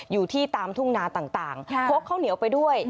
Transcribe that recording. อยู่ที่ตามทุ่งนาต่างพกข้าวเหนียวไปด้วย